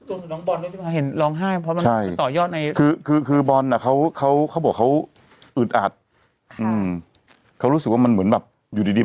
อืมตรวจส่วนน้องบอลด้วยที่พาเห็นร้องไห้เพราะมันต่อยอดใน